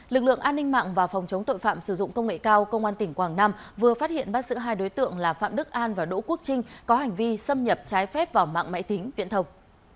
lực lượng an ninh mạng và phòng chống tội phạm sử dụng công nghệ cao công an tỉnh quảng nam vừa phát hiện bắt giữ hai đối tượng là phạm đức an và đỗ quốc trinh có hành vi xâm nhập trái phép vào mạng máy tính viễn thông